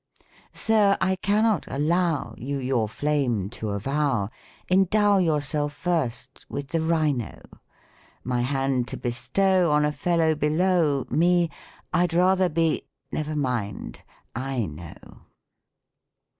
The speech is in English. " Sir I cannot allow You your flame to avow ; ,End6w yourself first with the rhino : My hand to bestow On a fellow bel6w PROSODY. 107 Me! — I'd rather be — never mind — /know."